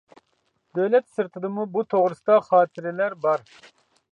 دۆلەت سىرتىدىمۇ بۇ توغرىسىدا خاتىرىلەر بار.